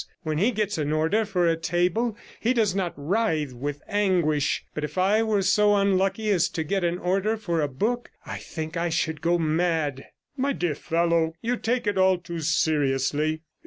When he gets an order for a table he does not writhe with anguish; but if I were so unlucky as to get an order for a book, I think I should go mad.' 'My dear fellow, you take it all too seriously.